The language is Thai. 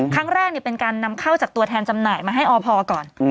เป็นการนำเข้าจากตัวแทนจำหน่ายมาให้อพก่อน